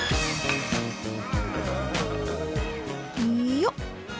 よっ！